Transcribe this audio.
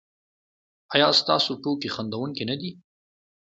ایا ستاسو ټوکې خندونکې نه دي؟